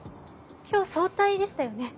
今日早退でしたよね？